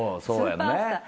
そうやね。